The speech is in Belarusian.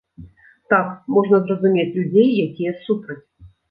Так, можна зразумець людзей, якія супраць.